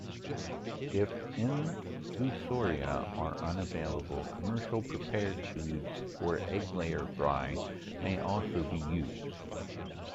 If infusoria are unavailable, commercial prepared foods for egglayer fry may also be used.